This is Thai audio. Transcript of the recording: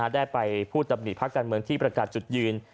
ได้ไปพูดตำหนิพักการเมืองที่ประกาศจุดยืน